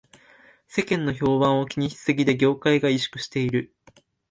世間の評判を気にしすぎで業界が萎縮している